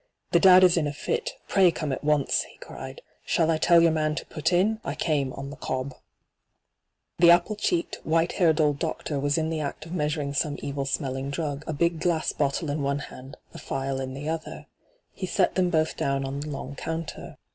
' The dad is in a fit — pray come at once 1' he cried. ' Shall I tell your man to put in ? I came on the cob.' I C.dogic ENTRAPPED 27 The apple cheeked, white haired old doctor was in the act of measuring some evil smelling drug, a big glass bottle in one hand, a phial in the other. He set them both down on the long counter.